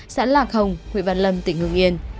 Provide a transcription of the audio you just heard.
xã lạc hồng huyện văn lâm tỉnh hương yên